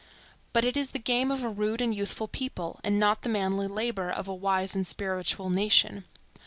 But it is the game of a rude and youthful people, and not the manly labor of a wise and spiritual nation.